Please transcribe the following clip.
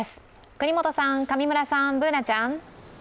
國本さん、上村さん、Ｂｏｏｎａちゃん。